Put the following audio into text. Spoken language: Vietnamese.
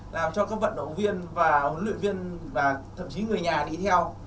làm cho các vận động viên và huấn luyện viên và thậm chí người nhà đi theo